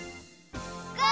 ゴー！